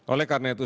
oleh karena itu